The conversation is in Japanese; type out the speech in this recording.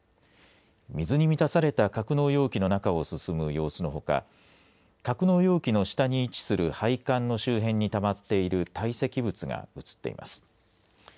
水に満たされた格納容器の中を進む様子のほか格納容器の下に位置する配管の周辺にたまっている堆積物が映っています。